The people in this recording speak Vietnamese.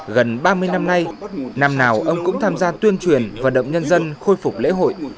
gần ba mươi năm nay năm nào ông cũng tham gia tuyên truyền vận động nhân dân khôi phục lễ hội